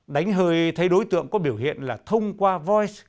đánh hơi thấy đối tượng có biểu hiện là thông qua voice